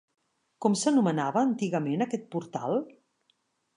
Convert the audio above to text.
Com s'anomenava antigament aquest portal?